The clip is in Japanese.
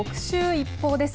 ＩＰＰＯＵです。